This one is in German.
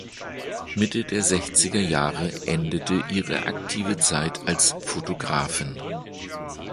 Mitte der sechziger Jahre endete ihre aktive Zeit als Fotografin.